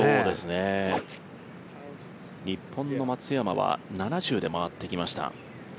日本の松山は７０で回ってきました。